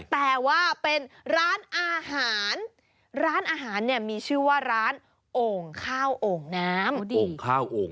แต่ว่าเป็นร้านอาหารร้านอาหารมีชื่อว่าร้านโอ่งข้าวโอ่งน้ำ